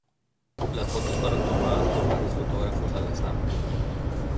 Las fotos fueron tomadas por varios fotógrafos al azar.